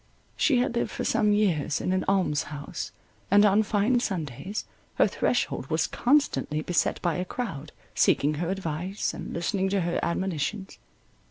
She had lived for some years in an alms house, and on fine Sundays her threshold was constantly beset by a crowd, seeking her advice and listening to her admonitions.